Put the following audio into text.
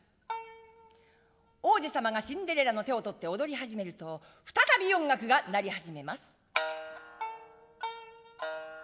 王子様がシンデレラの手をとって踊り始めると再び音楽が鳴り始めます。